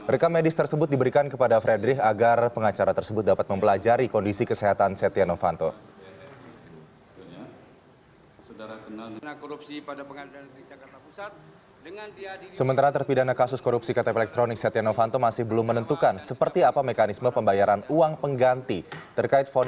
rekam medis tersebut diberikan kepada frederick agar pengacara tersebut dapat mempelajari kondisi kesehatan setia novanto